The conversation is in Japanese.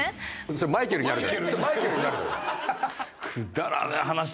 それマイケルになるのよ。